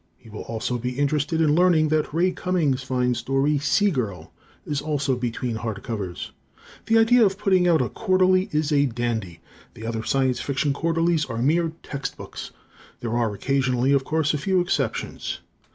He also will be interested in learning that Ray Cummings' fine story, "Sea Girl," is also between hard covers. The idea of putting out a quarterly is a dandy. The other science fiction quarterlies are mere text books; there are, occasionally, of course, a few exceptions.